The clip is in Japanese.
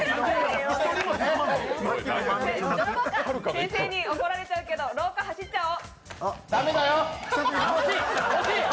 先生に怒られちゃうけど廊下走っちゃお。